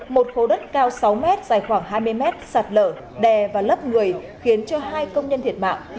một khối đất cao sáu mét dài khoảng hai mươi mét sạt lở đè và lấp người khiến cho hai công nhân thiệt mạng